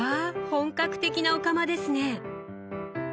本格的なお釜ですね！